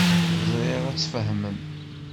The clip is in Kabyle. Ẓriɣ ad tt-fehmen.